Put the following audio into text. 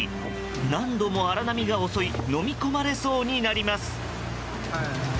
何度も荒波が襲いのみ込まれそうになります。